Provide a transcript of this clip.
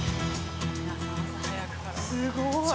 すごい。